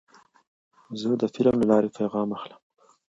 زه د فلم له لارې پیغام اخلم.